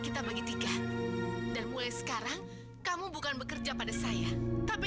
di situ ada perempuan bernama tantri